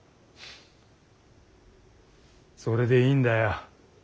それでいいんだよ。